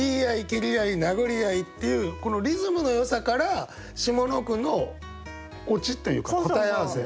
「蹴り合ひ殴り合ひ」っていうこのリズムのよさから下の句のオチっていうか答え合わせ。